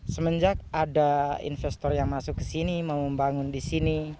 semenjak ada investor yang masuk ke sini mau membangun di sini